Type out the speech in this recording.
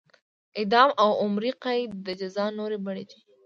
اعدام او عمري قید د جزا نورې بڼې دي.